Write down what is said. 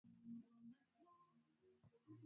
ukilinganisha na ile ya Wakurya Waghusii na Wajita